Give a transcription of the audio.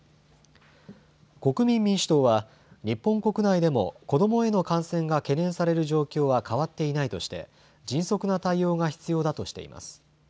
国民民主党は、日本国内でも子どもへの感染が懸念される状況は変わっていないとして、迅速な対応が必要だとしています。